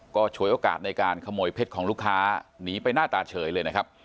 ก็ฉวยโอกาสในการขโมยเพชรของลูกค้าหนีไปหน้าตาเฉยเลยนะครับ